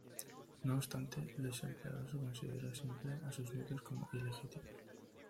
No obstante, Luis "el Piadoso", consideró siempre a sus nietos como ilegítimos.